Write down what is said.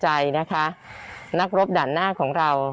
จักรสุขตัวเน่ความล้ำได้หวาน